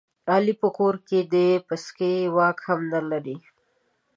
علي په کور کې د پسکې واک هم نه لري.